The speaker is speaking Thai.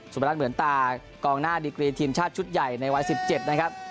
บรรรัฐเหมือนตากองหน้าดิกรีทีมชาติชุดใหญ่ในวัย๑๗นะครับ